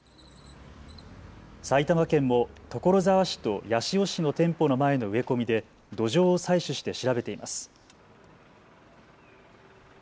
埼玉県も所沢市と八潮市の店舗の前の植え込みで土壌を採取して調べています。